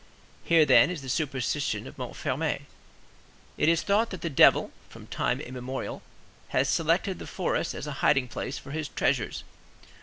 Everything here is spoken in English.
Here, then, is the superstition of Montfermeil: it is thought that the devil, from time immemorial, has selected the forest as a hiding place for his treasures.